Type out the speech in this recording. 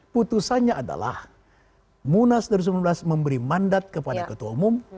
putusannya adalah munas dua ribu sembilan belas memberi mandat kepada ketua umum